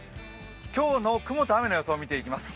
今日の雲と雨の予想を見ていきます。